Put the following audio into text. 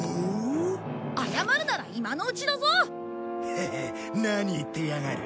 ヘヘッ何言ってやがる。